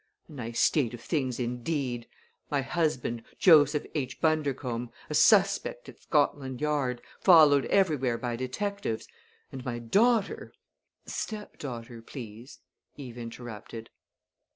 A nice state of things indeed! My husband, Joseph H. Bundercombe, a suspect at Scotland Yard, followed everywhere by detectives; and my daughter " "Stepdaughter, please," Eve interrupted.